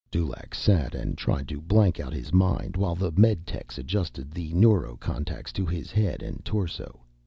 Dulaq sat and tried to blank out his mind while the meditechs adjusted the neurocontacts to his head and torso.